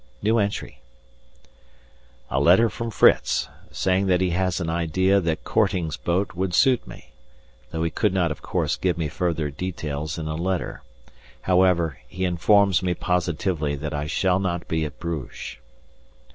]A letter from Fritz, saying that he has an idea that Korting's boat would suit me, though he could not of course give me further details in a letter; however, he informs me positively that I shall not be at Bruges.